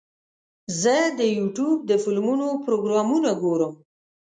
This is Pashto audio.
زه د یوټیوب د فلمونو پروګرامونه ګورم.